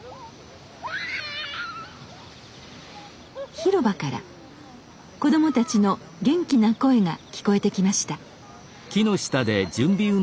広場から子供たちの元気な声が聞こえてきました。